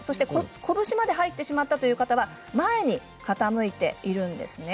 拳まで入ってしまった方は前に傾いているんです。